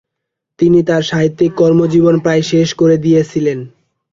তিনি তার সাহিত্যিক কর্মজীবন প্রায় শেষ করে দিয়েছিলেন।